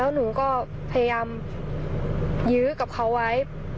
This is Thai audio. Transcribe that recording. หนูก็พยายามยื้อกับเขาไว้